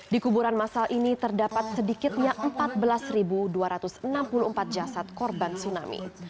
di kuburan masal ini terdapat sedikitnya empat belas dua ratus enam puluh empat jasad korban tsunami